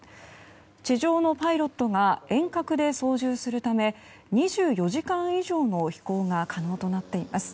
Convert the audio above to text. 地上のパイロットが遠隔で操縦するため２４時間以上の飛行が可能となっています。